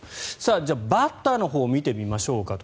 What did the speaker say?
じゃあ、バッターのほうを見てみましょうか。